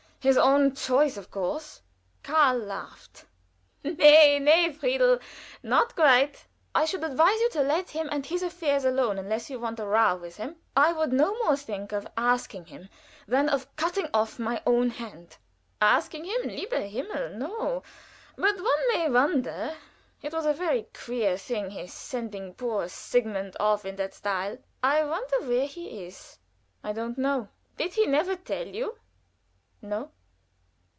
His own choice, of course." Karl laughed. "Nee, nee, Friedel, not quite." "I should advise you to let him and his affairs alone, unless you want a row with him. I would no more think of asking him than of cutting off my right hand." "Asking him lieber Himmel! no; but one may wonder It was a very queer thing his sending poor Sigmund off in that style. I wonder where he is." "I don't know." "Did he never tell you?" "No."